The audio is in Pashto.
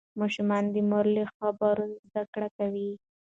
ماشوم د مور له خبرو زده کړه کوي.